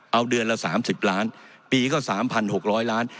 เอาเดือนละ๓๐ล้านปีก็๓๖๐๐ล้าน